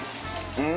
うん！